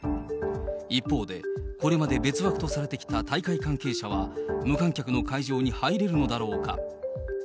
一方で、これまで別枠とされてきた大会関係者は、無観客の会場に入れるのだろうか。